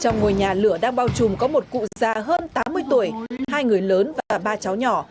trong ngôi nhà lửa đang bao trùm có một cụ già hơn tám mươi tuổi hai người lớn và ba cháu nhỏ